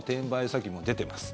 詐欺も出てます。